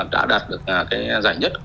đã đạt được cái giải nhất